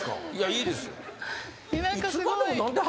いいですよ。